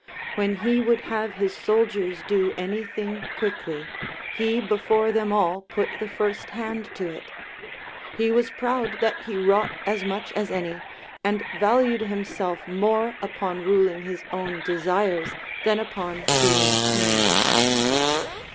When he would have his soldiers do any thing quickly, he before them all put the 390 LACONIC APOPHTHEGMS. first hand to it ; he was proud that he wrought as much as any, and valued himself more upon ruling his own desires than upon being king.